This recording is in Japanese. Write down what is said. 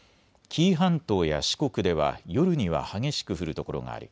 紀伊半島や四国では夜には激しく降る所があり